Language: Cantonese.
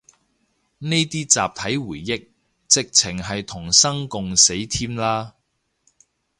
呢啲集體回憶，直程係同生共死添啦